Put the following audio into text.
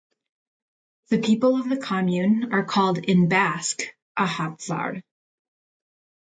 The people of the commune are called in Basque "Ahatsarr".